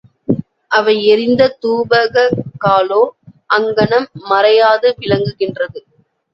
அவை எரிந்த தூபக் காலோ அங்ஙனம் மறையாது விளங்குகின்றது.